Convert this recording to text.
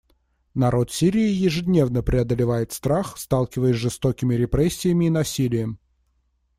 Народ Сирии ежедневно преодолевает страх, сталкиваясь с жестокими репрессиями и насилием.